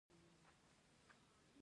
کلي د فرهنګي فستیوالونو یوه برخه ده.